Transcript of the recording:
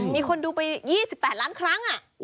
มีคนดูไป๒๘ล้านครั้ง